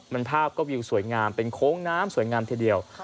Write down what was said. มันภาพก็วิวสวยงามเป็นโค้งน้ำสวยงามทีเดียว